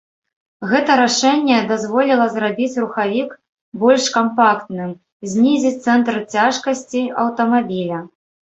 Гэта рашэнне дазволіла зрабіць рухавік больш кампактным, знізіць цэнтр цяжкасці аўтамабіля.